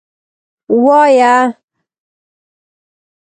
وایه.